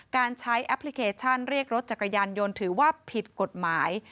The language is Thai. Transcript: การใช้แอปพลิเคชันเรียกรถจักรยานยนต์ถือว่าผิดกฎหมาย